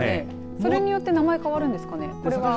それによって名前変わるんですかね。